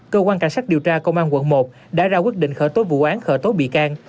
cơ quan cảnh sát điều tra công an quận một đã ra quyết định khởi tố vụ án khởi tố bị can